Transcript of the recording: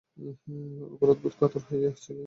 অপরাধবোধে কাতর হয়ে ছিলেন বলেই কল্পনায় শুনেছেন।